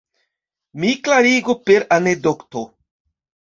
Mi klarigu per anekdoto.